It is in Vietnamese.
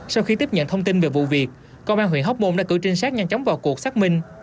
sau khi tiếp nhận thông tin về vụ việc công an huyện hóc môn đã cử trinh sát nhanh chóng vào cuộc xác minh